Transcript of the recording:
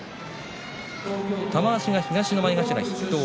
玉鷲が前頭筆頭。